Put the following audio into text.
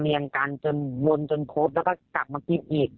เรียงกันจนวนจนครบแล้วก็กลับมากินอีก